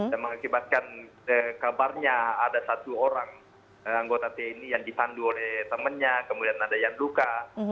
dan mengakibatkan kabarnya ada satu orang anggota tni yang disandu oleh temannya kemudian ada yang luka